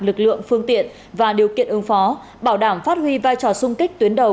lực lượng phương tiện và điều kiện ứng phó bảo đảm phát huy vai trò sung kích tuyến đầu